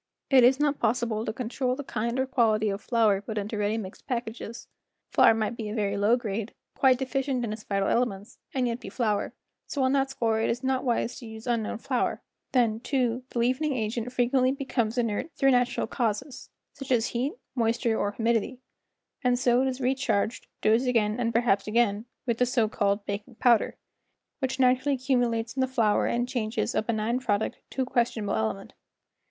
It is not possible to control the kind or quality of flour put into ready mixed packages; flour might be of very low grade, quite deficient in vital elements, and yet be flour, so on that score it is not wise to use unknown flour; then, too, the leavening agent frequently becomes inert through nat¬ ural causes, such as heat, moisture or humidity, and so it is re¬ charged, dosed again and perhaps again, with the so called baking powder, which naturally cumulates in the flour and changes a benign product to a questionable element.